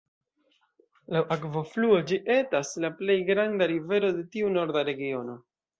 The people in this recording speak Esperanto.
Laŭ akvofluo, ĝi etas plej granda rivero de tiu Norda regiono.